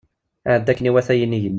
Iɛedda akken iwata yinig-nni.